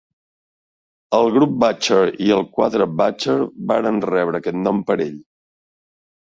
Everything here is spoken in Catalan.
El grup Butcher i el quadre Butcher varen rebre aquest nom per ell.